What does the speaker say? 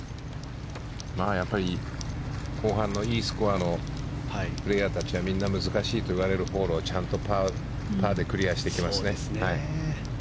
やっぱり後半のいいスコアのプレーヤーたちはみんな難しいといわれるホールをちゃんとパーでクリアしていきますね。